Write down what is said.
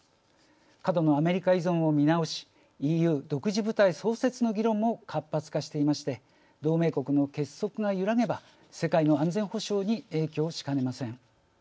過度のアメリカ依存を見直しＥＵの独自部隊、創設といった議論も活発化していまして同盟国の結束が揺らげば世界の安全保障に影響しかねません。